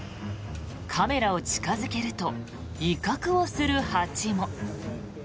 カメラを近付けると威嚇をする蜂も。